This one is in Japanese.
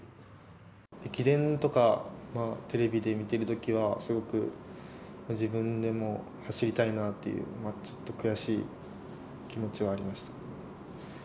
駅伝とかテレビで見ているときは、すごく自分でも走りたいなという、ちょっと悔しい気持ちはありまし